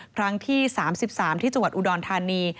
ครั้งที่๓๓ที่จังหวัดอุดรธานี